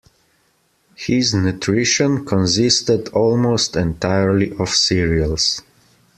His nutrition consisted almost entirely of cereals.